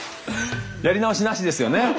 やり直しなしです。